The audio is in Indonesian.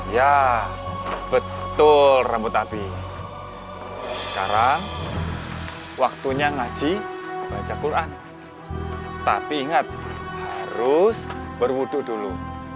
ya betul rambut api sekarang waktunya ngaji baca quran tapi ingat harus berwuduk dulu